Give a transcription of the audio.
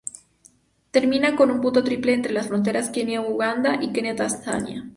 Termina con un punto triple entre las fronteras Kenia-Uganda y Kenia-Tanzania.